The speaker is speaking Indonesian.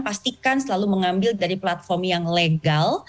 pastikan selalu mengambil dari platform yang legal